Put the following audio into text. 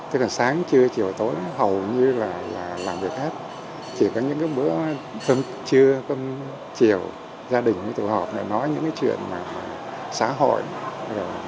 tức là sáng trưa chiều tối hầu như là làm việc hết chỉ có những bữa cơm trưa cơm chiều gia đình tù hợp nói những chuyện xã hội về được câm truyện